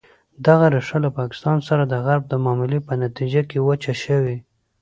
دغه ریښه له پاکستان سره د غرب د معاملې په نتیجه کې وچه شوې.